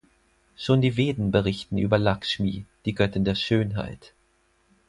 Schon die Veden berichten über Lakshmi, die Göttin der Schönheit.